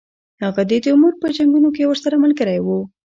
هغه د تیمور په جنګونو کې ورسره ملګری وو.